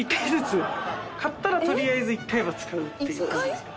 買ったらとりあえず１回は使うっていう感じ？